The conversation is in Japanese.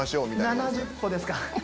７０歩ですか！